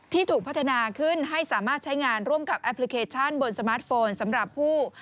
ถูกพัฒนาขึ้นให้สามารถใช้งานร่วมกับแอปพลิเคชันบนสมาร์ทโฟนสำหรับผู้